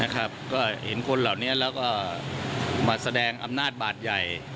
ก็เห็นคนเหล่านี้แล้วก็มาแสดงอำนาจบาดใหญ่